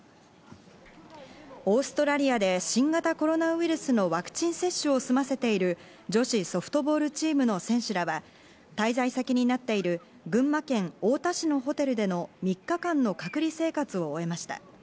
オーストラリアで新型コロナウイルスのワクチン接種を済ませている女子ソフトボールチームの選手らは、滞在先になっている群馬県太田市のホテルでの３日間の隔離生活を終えました。